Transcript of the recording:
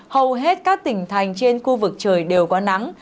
hầu hết các tỉnh thành trên khu vực trời đều có nắng